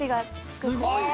すごいね。